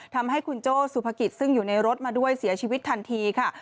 ทำให้คุณโจ้สุภกิจซึ่งอยู่ในรถมาด้วยเสียชีวิตทันทีค่ะ